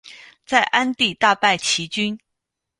在鞍地大败齐军。